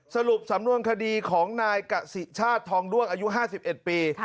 สรุปสำนวนคดีของนายกสิชาติทองด้วงอายุ๕๑ปี